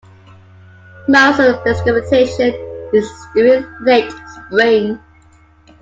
Most of the precipitation is during late spring.